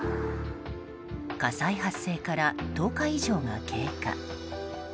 火災発生から１０日以上が経過。